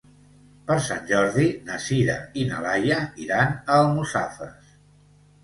Per Sant Jordi na Sira i na Laia iran a Almussafes.